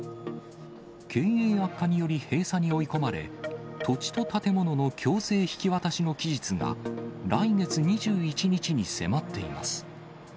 経営悪化により閉鎖に追い込まれ、土地と建物の強制引き渡しの期日が、来月２１日に迫っています。